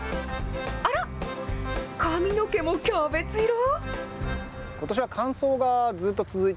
あらっ、髪の毛もキャベツ色？